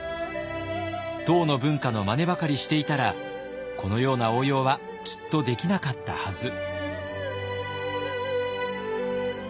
唐の文化のまねばかりしていたらこのような応用はきっとできなかったはず。